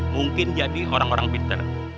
mungkin jadi orang orang pinter